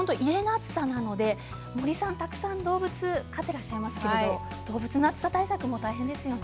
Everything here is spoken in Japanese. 森さん、たくさん動物を飼っていらっしゃいますけれど動物の暑さ対策も大変ですよね。